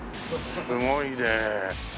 すごいね。